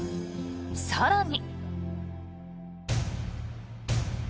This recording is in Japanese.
更に。